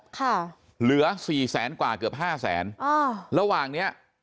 ค่ะเหลือ๔แสนกว่าเกือบ๕แสนระหว่างเนี่ย